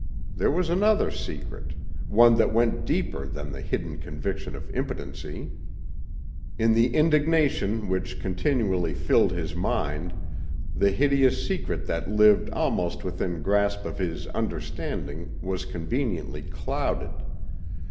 There was another secret, one that went deeper than the hidden conviction of impotency. In the indignation which continually filled his mind, the hideous secret that lived almost within grasp of his understanding was conveniently clouded.